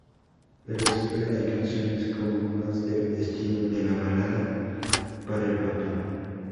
Pero siempre hay canciones como más del estilo de la balada, para el papá.